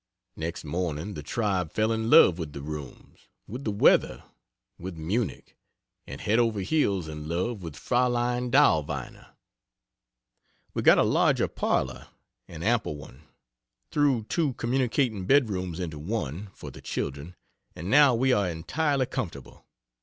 Next morning the tribe fell in love with the rooms, with the weather, with Munich, and head over heels in love with Fraulein Dahlweiner. We got a larger parlor an ample one threw two communicating bedrooms into one, for the children, and now we are entirely comfortable.